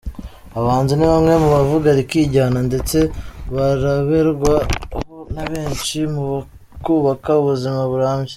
Abahanzi ni bamwe mu bavuga rikijyana ndetse bareberwaho na benshi mu kubaka ubuzima burambye.